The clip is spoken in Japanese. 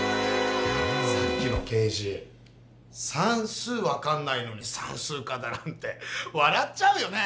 さっきの刑事さんすう分かんないのにさんすう課だなんてわらっちゃうよね！